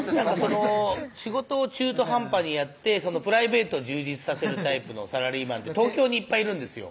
それ仕事を中途半端にやってプライベート充実させるタイプのサラリーマン東京にいっぱいいるんですよ